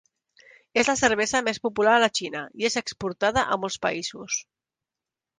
És la cervesa més popular a la Xina i és exportada a molts països.